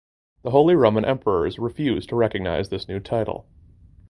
The Holy Roman emperors refused to recognise this new title.